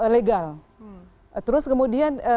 legal terus kemudian